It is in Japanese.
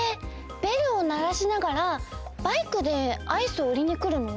ベルをならしながらバイクでアイスをうりにくるの？